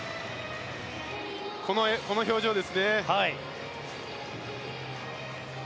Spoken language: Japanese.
この表情ですよね。